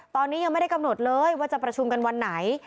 ตอนนี้ยังไม่ได้กำหนดเลยว่าจะประชุมกันวันไหน